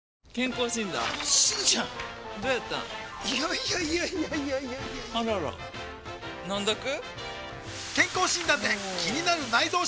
いやいやいやいやあらら飲んどく？